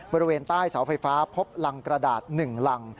บริเวณใต้เสาไฟฟ้าพบรังกระดาษ๑รัง